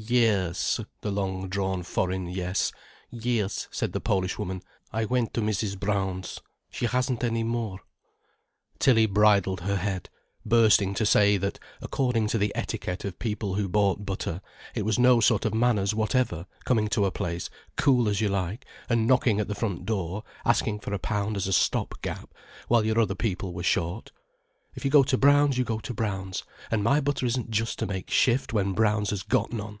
"Yes"—the long drawn foreign yes—"yes," said the Polish woman, "I went to Mrs. Brown's. She hasn't any more." Tilly bridled her head, bursting to say that, according to the etiquette of people who bought butter, it was no sort of manners whatever coming to a place cool as you like and knocking at the front door asking for a pound as a stop gap while your other people were short. If you go to Brown's you go to Brown's, an' my butter isn't just to make shift when Brown's has got none.